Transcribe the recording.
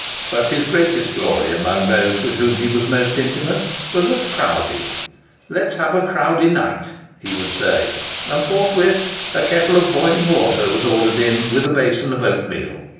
But his greatest glory amongst those with whom he was most intimate, was a "crowdie!" "Let's have a crowdie night," he would say; and forthwith a kettle of boiling water was ordered in, with a basin of oatmeal.